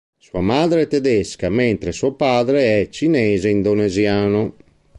Sua madre è tedesca mentre suo padre è cinese-indonesiano.